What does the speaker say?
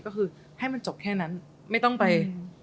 ก็คือให้มันจบแค่นั้นไม่ต้องไป